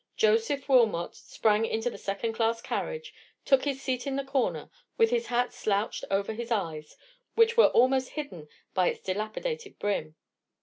Joseph Wilmot sprang into a second class carriage, took his seat in the corner, with his hat slouched over his eyes, which were almost hidden by its dilapidated brim.